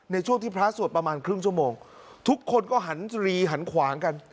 ในช่วงที่พระสวดประมาณครึ่งชั่วโมงทุกคนก็หันตรีหันขวางกัน